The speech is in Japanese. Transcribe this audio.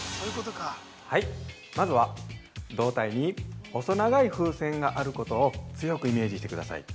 ◆まずは、胴体に細長い風船があることを強くイメージしてください。